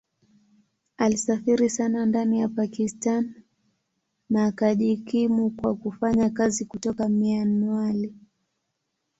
Alisafiri sana ndani ya Pakistan na akajikimu kwa kufanya kazi kutoka Mianwali.